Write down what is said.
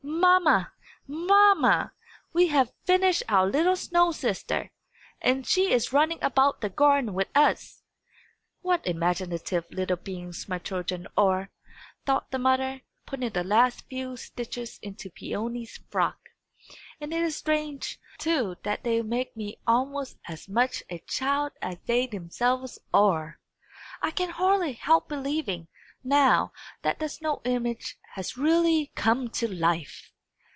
"Mamma! mamma! We have finished our little snow sister, and she is running about the garden with us!" "What imaginative little beings my children are!" thought the mother, putting the last few stitches into Peony's frock. "And it is strange, too, that they make me almost as much a child as they themselves are! I can hardly help believing, now, that the snow image has really come to life!"